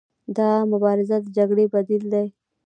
دا مبارزه د جګړې بدیل دی.